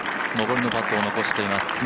上りのパットを残しています。